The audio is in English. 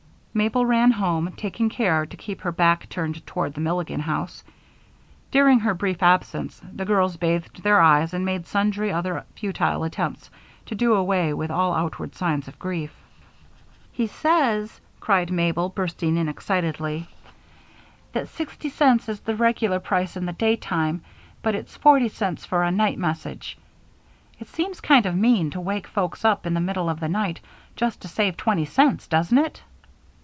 Mabel ran home, taking care to keep her back turned toward the Milligan house. During her brief absence, the girls bathed their eyes and made sundry other futile attempts to do away with all outward signs of grief. "He says," cried Mabel, bursting in excitedly, "that sixty cents is the regular price in the daytime, but it's forty cents for a night message. It seems kind of mean to wake folks up in the middle of the night just to save twenty cents, doesn't it?"